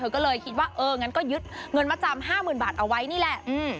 เธอก็เลยคิดว่าเอองั้นก็ยึดเงินมัดจำ๕๐๐๐๐บาทเอาไว้นี่แหละ